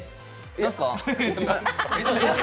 何ですか？